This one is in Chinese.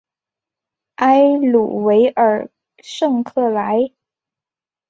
埃鲁维尔圣克莱。